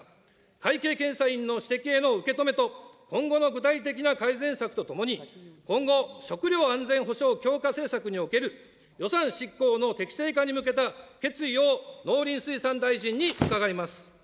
会計検査院の指摘への受け止めと、今後の具体的な改善策とともに、今後、食料安全保障強化政策における予算執行の適正化に向けた決意を農林水産大臣に伺います。